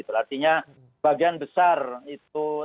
artinya bagian besar itu terlihat